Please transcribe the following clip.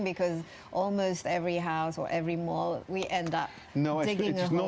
kita menurun karena hampir setiap rumah atau setiap mall kita berakhir mencari